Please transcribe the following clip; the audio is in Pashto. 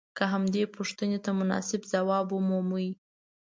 که همدې پوښتنې ته مناسب ځواب ومومئ.